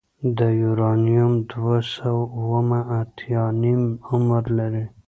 د یورانیم دوه سوه اوومه اتیا نیم عمر لري.